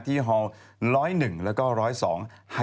พี่ชอบแซงไหลทางอะเนาะ